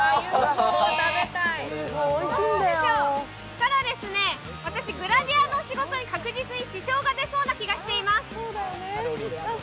ただ、私グラビアの仕事に確実に支障が出そうな気がしています。